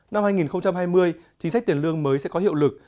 năm hai nghìn hai mươi chính sách tiền lương mới sẽ có hiệu lực